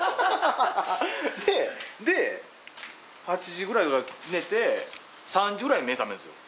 でで８時ぐらいから寝て３時ぐらいに目覚めるんですよ。